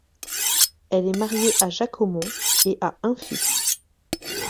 Elle est mariée à Jacques Aumont, et a un fils.